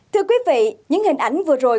thưa quý vị những hình ảnh vừa rồi